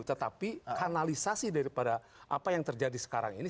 tetapi kanalisasi daripada apa yang terjadi sekarang ini